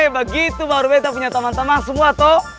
begitu baru kita punya teman teman semua toh